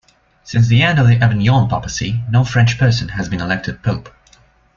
Since the end of the Avignon Papacy, no French person has been elected pope.